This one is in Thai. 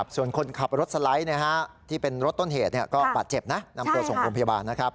ส่วนคนขับรถสไลด์ที่เป็นรถต้นเหตุก็บาดเจ็บนะนำตัวส่งโรงพยาบาล